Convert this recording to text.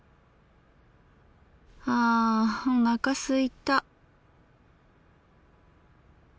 あおなかすいた。